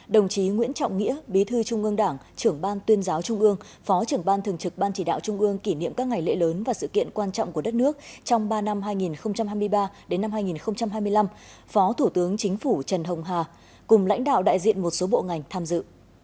đồng chí nguyễn trọng nghĩa bí thư trung ương đảng trưởng ban tuyên giáo trung ương phó trưởng ban thường trực ban chỉ đạo trung ương kỷ niệm các ngày lễ lớn và sự kiện quan trọng của đất nước trong ba năm hai nghìn hai mươi ba hai nghìn hai mươi năm phó thủ tướng chính phủ trần hồng hà cùng lãnh đạo đại diện một số bộ ngành tham dự